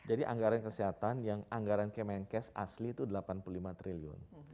jadi anggaran kesehatan yang anggaran kemenkes asli itu delapan puluh lima triliun